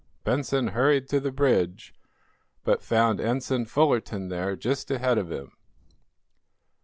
Benson hurried to the bridge, but found Ensign Fullerton there just ahead of him.